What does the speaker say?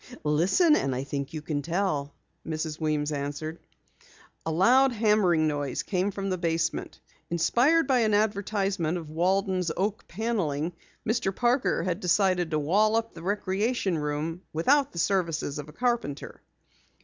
"Listen, and I think you can tell," Mrs. Weems answered. A loud hammering noise came from the basement. Inspired by an advertisement of Waldon's Oak Paneling, Mr. Parker had decided to wall up the recreation room without the services of a carpenter.